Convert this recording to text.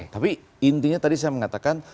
tapi intinya tadi saya mengatakan